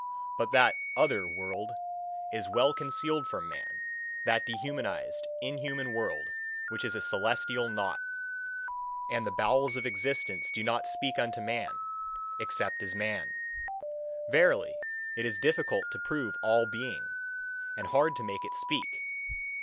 But that "other world" is well concealed from man, that dehumanised, inhuman world, which is a celestial naught; and the bowels of existence do not speak unto man, except as man. Verily, it is difficult to prove all being, and hard to make it speak.